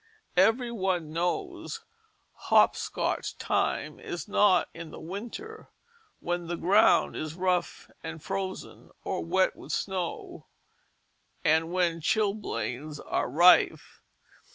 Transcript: Every one knows hop scotch time is not in the winter when the ground is rough and frozen or wet with snow and when chilblains are rife.